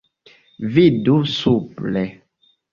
Vidu supre.